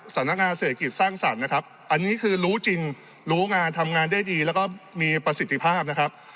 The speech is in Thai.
สำนักงานเศรษฐกิจสร้างสรรค์นะครับ